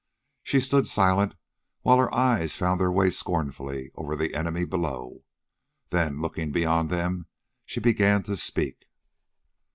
She stood silent, while her eyes found their way scornfully over the enemy below. Then looking beyond them, she began to speak.